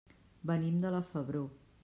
Venim de la Febró.